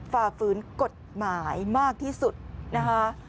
ฝ่าฝืนกฎหมายมากที่สุดนะคะ